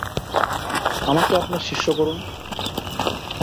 আমাকে আপনার শিষ্য করুন।